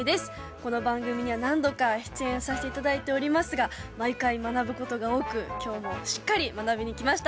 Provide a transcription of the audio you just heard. この番組には何度か出演させて頂いておりますが毎回学ぶことが多く今日もしっかり学びにきました。